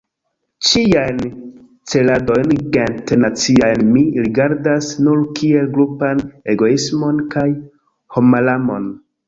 Ĉiajn celadojn gente-naciajn mi rigardas nur kiel grupan egoismon kaj hommalamon.